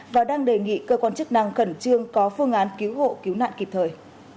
và đang đề nghị cơ quan chức năng khẩn trương có phương án cứu hộ cứu nạn kịp thời